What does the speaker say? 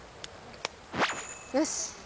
よし！